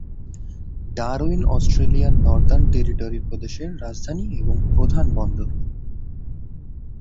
Darwin অস্ট্রেলিয়ার Northern Territory প্রদেশের রাজধানী এবং প্রধান বন্দর।